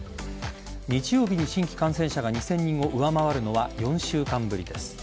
日曜日に新規感染者が２０００人を上回るのは４週間ぶりです